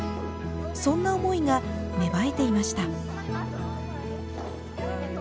そんな思いが芽生えていました。